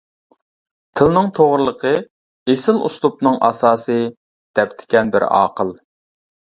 «تىلنىڭ توغرىلىقى-ئېسىل ئۇسلۇبنىڭ ئاساسىي. » دەپتىكەن بىر ئاقىل.